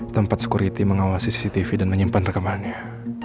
tempat security mengawasi cctv dan menyimpan rekamannya